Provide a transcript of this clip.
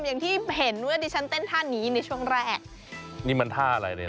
อย่างที่เห็นว่าดิฉันเต้นท่านี้ในช่วงแรกนี่มันท่าอะไรเนี่ย